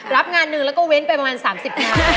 รับงานหนึ่งแล้วก็เว้นไปประมาณ๓๐งาน